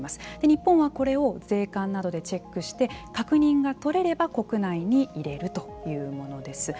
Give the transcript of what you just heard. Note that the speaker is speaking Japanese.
日本はこれを税関などでチェックして確認が取れれば国内に入れるというものです。